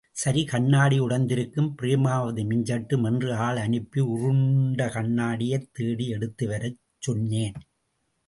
சரி, கண்ணாடி உடைந்திருக்கும், பிரேமாவது மிஞ்சட்டும் என்று ஆள் அனுப்பி உருண்ட கண்ணாடியைத் தேடி எடுத்துவரச் சொன்னேன்.